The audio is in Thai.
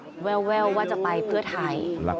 ก็แววว่าจะไปเพื่อไทย